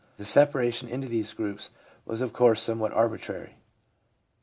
The separation into these groups was of course somewhat arbitrary.